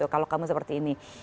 kalau kamu seperti ini